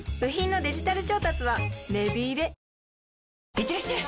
いってらっしゃい！